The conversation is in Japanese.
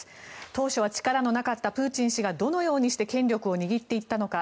当初は力のなかったプーチン氏がどのようにして権力を握っていったのか。